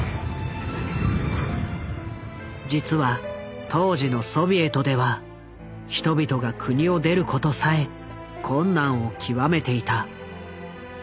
実は当時のソビエトでは人々が国を出ることさえ困難を極めていた。